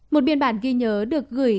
một biên bản ghi nhớ được gửi